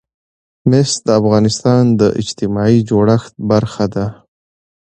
مس د افغانستان د اجتماعي جوړښت برخه ده.